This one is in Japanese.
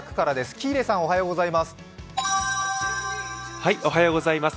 喜入さん、おはようございます。